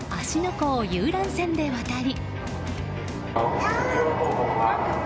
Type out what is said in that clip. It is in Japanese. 湖を遊覧船で渡り。